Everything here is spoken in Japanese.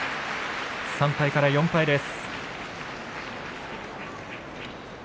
３敗から４敗に後退です。